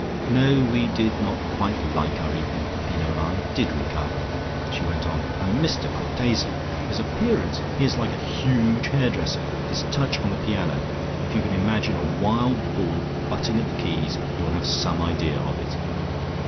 "No, we did not quite like our evening, Peppino and I, did we, caro?" she went on. "And Mr Cortese! His appearance! He is like a huge hairdresser. His touch on the piano. If you can imagine a wild bull butting at the keys, you will have some idea of it.